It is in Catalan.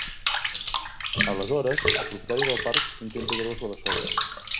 Aleshores, el propietari del parc intenta treure-se'l de sobre.